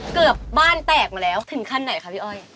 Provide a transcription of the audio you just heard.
เกือบบ้านแตกมาแล้ว